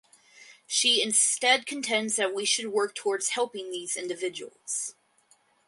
She instead contends that we should work towards helping these individuals.